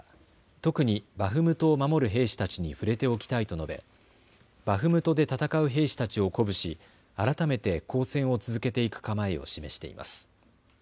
特にバフムトを守る兵士たちに触れておきたいと述べバフムトで戦う兵士たちを鼓舞し改めて抗戦を続けていく構えを示しています。